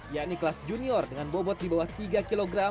yakni kelas junior dengan bobot di bawah tiga kg